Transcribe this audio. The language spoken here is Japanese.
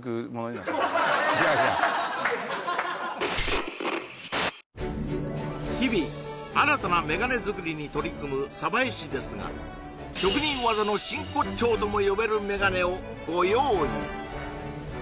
いやいや日々新たなメガネ作りに取り組む鯖江市ですが職人技の真骨頂とも呼べるメガネをご用意